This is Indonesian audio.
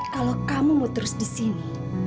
kalau kamu mau terus di sini